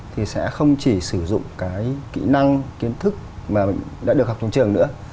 thì sẽ không chỉ sử dụng cái kỹ năng kiến thức mà đã được học trong trường nữa